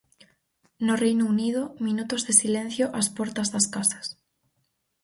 No Reino Unido, minutos de silencio ás portas das casas.